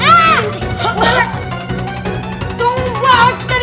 pak itta bertingkah